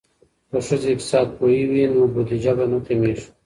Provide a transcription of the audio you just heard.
که ښځې اقتصاد پوهې وي نو بودیجه به نه کمیږي.